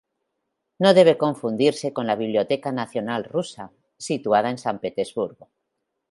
No debe confundirse con la Biblioteca Nacional Rusa, situada en San Petersburgo.